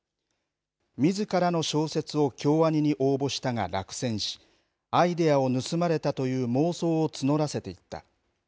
みずからの小説を京アニに応募したが落選し、アイデアを盗まれたという妄想を募らせていった。